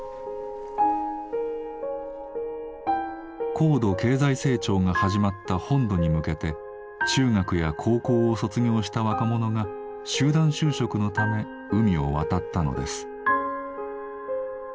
高度経済成長が始まった本土に向けて中学や高校を卒業した若者が集団就職のため海を渡ったのです。